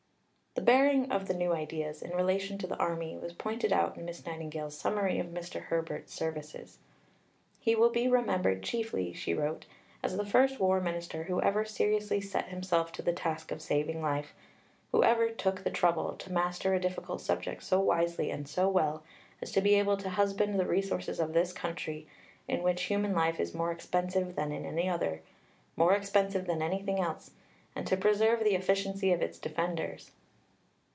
The bearing of the new ideas in relation to the Army was pointed out in Miss Nightingale's summary of Mr. Herbert's services. "He will be remembered chiefly," she wrote, "as the first War Minister who ever seriously set himself to the task of saving life, who ever took the trouble to master a difficult subject so wisely and so well as to be able to husband the resources of this country, in which human life is more expensive than in any other, more expensive than anything else, and to preserve the efficiency of its defenders."